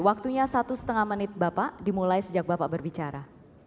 waktunya satu setengah menit bapak dimulai sejak bapak berbicara